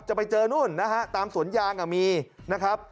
ไปเจอนู่นนะฮะตามสวนยางมีนะครับ